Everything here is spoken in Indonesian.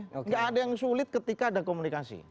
tidak ada yang sulit ketika ada komunikasi